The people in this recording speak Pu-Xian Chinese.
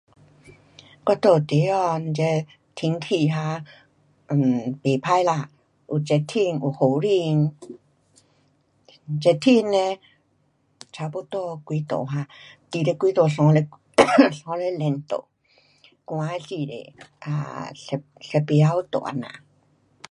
我住地方这天气哈 um 不错啦，有热天，有雨天。热天呢，差不多几度哈，二十几度三十 三十几度.冷的时候，um 十，十八九度这样。